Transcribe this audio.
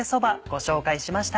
ご紹介しました。